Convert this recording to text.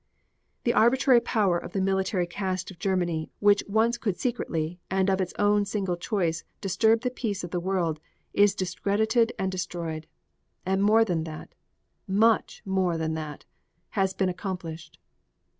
The arbitrary power of the military caste of Germany which once could secretly and of its own single choice disturb the peace of the world is discredited and destroyed. And more than that much more than that has been accomplished.